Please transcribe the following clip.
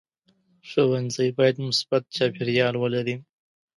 ښوونځی باید مثبت چاپېریال ولري.